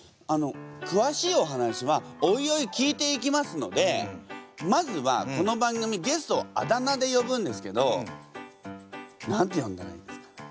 あのくわしいお話はおいおい聞いていきますのでまずはこの番組ゲストをあだ名で呼ぶんですけど何て呼んだらいいですか？